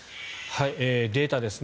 データですね。